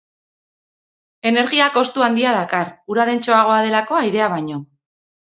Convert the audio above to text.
Energia-kostu handia dakar, ura dentsoagoa delako airea baino.